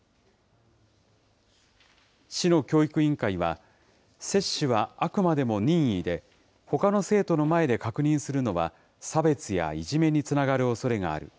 市の教育委員会は、接種はあくまでも任意で、ほかの生徒の前で確認するのは、差別やいじめにつながるおそれがある。